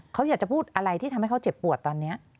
เขาอยากจะพูดอะไรที่ทำให้เขาเจ็บปวดตอนนี้